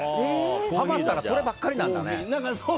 ハマッたらそればっかりなんだね。